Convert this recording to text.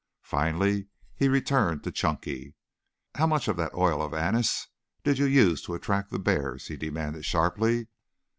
Finally he returned to Chunky. "How much of that oil of anise did you use to attract those bears?" he demanded sharply.